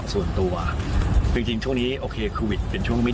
เพราะว่าไปรู้สึกเหมือนเป็นครอบครัว